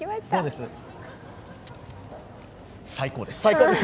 最高です。